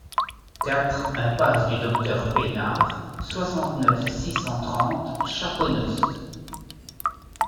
quatre impasse du Docteur Pénard, soixante-neuf, six cent trente, Chaponost